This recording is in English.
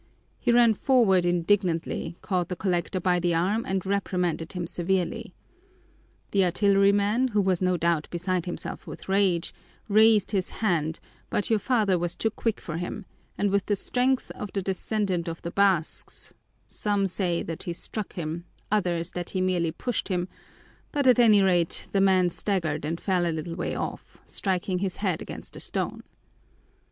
He ran forward indignantly, caught the collector by the arm, and reprimanded him severely. The artilleryman, who was no doubt beside himself with rage, raised his hand, but your father was too quick for him, and with the strength of a descendant of the Basques some say that he struck him, others that he merely pushed him, but at any rate the man staggered and fell a little way off, striking his head against a stone.